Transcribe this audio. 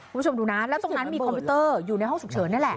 คุณผู้ชมดูนะแล้วตรงนั้นมีคอมพิวเตอร์อยู่ในห้องฉุกเฉินนี่แหละ